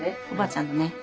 おばあちゃんのね